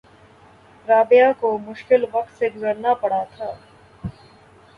رابعہ کو مشکل وقت سے گزرنا پڑا تھا